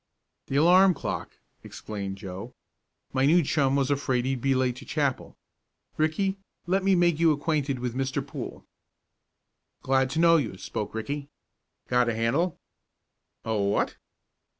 "The alarm clock," explained Joe. "My new chum was afraid he'd be late to chapel. Ricky, let me make you acquainted with Mr. Poole." "Glad to know you," spoke Ricky. "Got a handle?" "A what?"